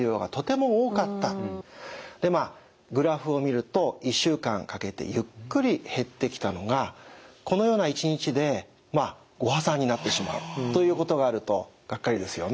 まあグラフを見ると１週間かけてゆっくり減ってきたのがこのような１日でご破算になってしまうということがあるとがっかりですよね。